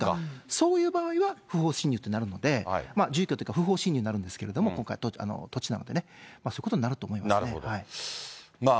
そういう場合は不法侵入となるので、住居というか、不法侵入になるんですけど、今回、土地なのでね、そういうことになると思いますね。